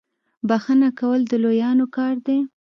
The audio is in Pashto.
بخښنه کول د لویانو کار دی.